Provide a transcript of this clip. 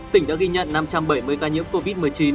tỉnh đã ghi nhận năm trăm bảy mươi ca nhiễm covid một mươi chín